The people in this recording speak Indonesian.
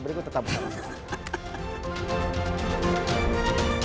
berikut tetap bersama